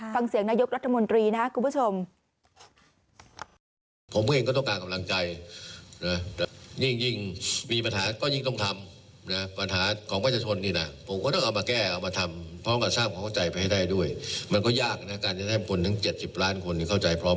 ฟังเสียงนายกรัฐมนตรีนะครับคุณผู้ชม